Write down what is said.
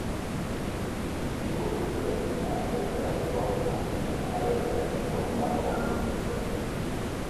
Il pubblico delle prime puntate era piuttosto convenzionale e reagì con risate poco intense.